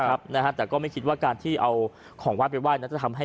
เธอก็เชื่อว่ามันคงเป็นเรื่องความเชื่อที่บรรดองนำเครื่องเส้นวาดผู้ผีปีศาจเป็นประจำ